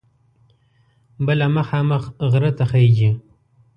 بله مخامخ غره ته خیژي.